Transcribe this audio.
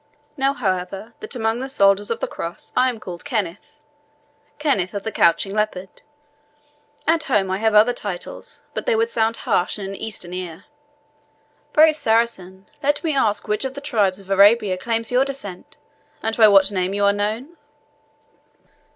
"Know, however, that among the soldiers of the Cross I am called Kenneth Kenneth of the Couching Leopard; at home I have other titles, but they would sound harsh in an Eastern ear. Brave Saracen, let me ask which of the tribes of Arabia claims your descent, and by what name you are known?"